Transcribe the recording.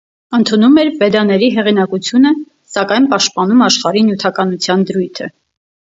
Ընդունում էր վեդաների հեղինակությունը, սակայն պաշտպանում աշխարհի նյութականության դրույթը։